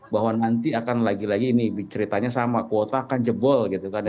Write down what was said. bahwa nanti akan lagi lagi ini ceritanya sama kuota akan jebol gitu kan